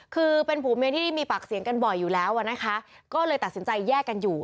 คือเป็นผัวเมียที่ได้มีปากเสียงกันบ่อยอยู่แล้วอ่ะนะคะก็เลยตัดสินใจแยกกันอยู่